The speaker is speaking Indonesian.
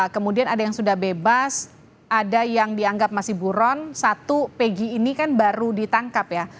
kemudian ada yang sudah bebas ada yang dianggap masih buron satu pegi ini kan baru ditangkap ya